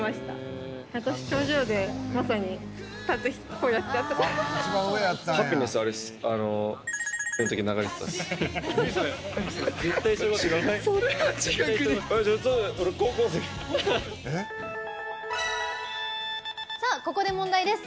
ここで問題です。